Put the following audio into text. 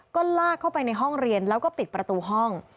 ก็ลากเข้าไปในห้องเรียนแล้วก็ปิดประตูห้อง